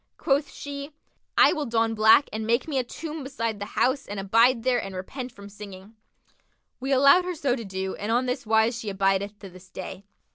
Quoth she, 'I will don black and make me a tomb beside the house and abide there and repent from singing.'[FN#51] We allowed her so to do and on this wise she abideth to this day.